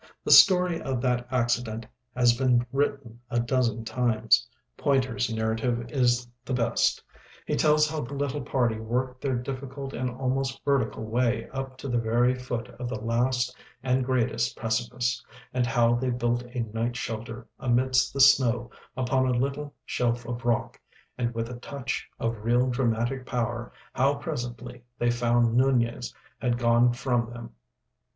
The story of that accident has been written a dozen times. Pointer's narrative is the best. He tells how the little party worked their difficult and almost vertical way up to the very foot of the last and greatest precipice, and how they built a night shelter amidst the snow upon a little shelf of rock, and, with a touch of real dramatic power, how presently they found Nunez had gone from them.